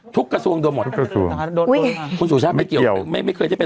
ทุกครัษวงแล้วไหมคะ